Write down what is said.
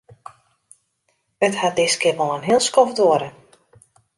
It hat diskear wol in heel skoft duorre.